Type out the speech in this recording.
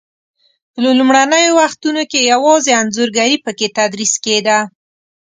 په لومړنیو وختو کې یوازې انځورګري په کې تدریس کېده.